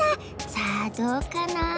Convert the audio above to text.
さあどうかな？